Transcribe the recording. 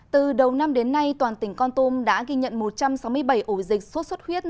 từ đầu năm đến nay toàn tỉnh con tum đã ghi nhận một trăm sáu mươi bảy ổ dịch sốt xuất huyết